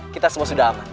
kita semua sudah aman